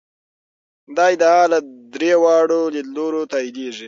دا ادعا له درې واړو لیدلورو تاییدېږي.